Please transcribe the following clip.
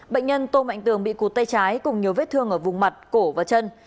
bệnh nhân tô mạnh tường bị cụt tay trái cùng nhiều vết thương ở vùng mặt cổ và chân